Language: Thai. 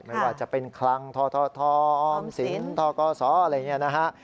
ไม่ว่าจะเป็นคลังททออมสินทกศอะไรอย่างนี้นะฮะ